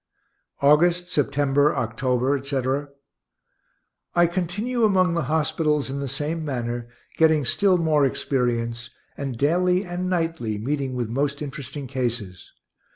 August, September, October, etc. I continue among the hospitals in the same manner, getting still more experience, and daily and nightly meeting with most interesting cases.